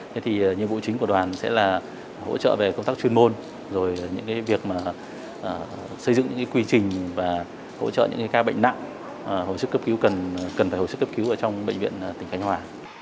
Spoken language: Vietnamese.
thế thì nhiệm vụ chính của đoàn sẽ là hỗ trợ về công tác chuyên môn rồi những cái việc mà xây dựng những quy trình và hỗ trợ những ca bệnh nặng hồi sức cấp cứu cần phải hồi sức cấp cứu ở trong bệnh viện tỉnh khánh hòa